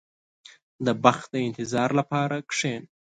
• د بخت د انتظار لپاره کښېنه.